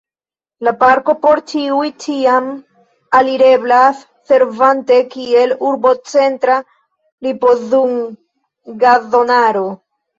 La parko por ĉiuj ĉiam alireblas servante kiel urbocentra ripozumgazonaro.